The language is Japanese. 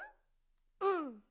うん。